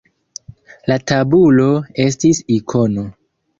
La tabulo estis ikono.